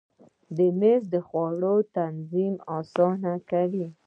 مېز د خوړو تنظیم اسانه کوي.